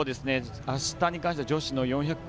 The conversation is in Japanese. あしたに関しては女子の４００ｍ